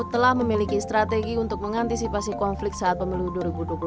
telah memiliki strategi untuk mengantisipasi konflik saat pemilu dua ribu dua puluh empat